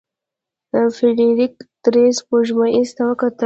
فلیریک درې سپوږمیو ته وکتل.